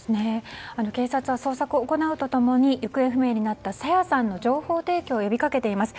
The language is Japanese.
警察は捜索を行うと共に行方不明になった朝芽さんの情報提供を呼びかけています。